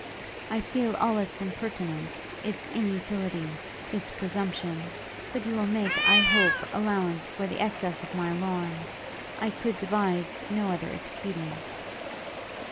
I feel all its impertinence, its inutility, its presumption; but you will make, I hope, allowance for the excess of my alarm. I could devise no other expedient.'